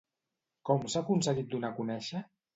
Com s'ha aconseguit donar a conèixer?